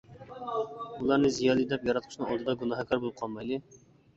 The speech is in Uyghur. ئۇلارنى زىيالىي دەپ ياراتقۇچىنىڭ ئالدىدا گۇناھكار بولۇپ قالمايلى.